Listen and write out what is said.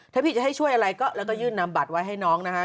ถ้าพี่จะให้ช่วยอะไรก็แล้วก็ยื่นนำบัตรไว้ให้น้องนะคะ